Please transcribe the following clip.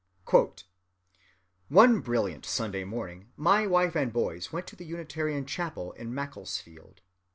(239) "One brilliant Sunday morning, my wife and boys went to the Unitarian Chapel in Macclesfield.